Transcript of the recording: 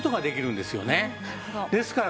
ですから